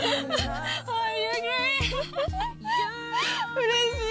うれしい！